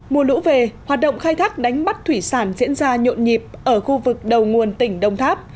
mùa lũ về hoạt động khai thác đánh bắt thủy sản diễn ra nhộn nhịp ở khu vực đầu nguồn tỉnh đông tháp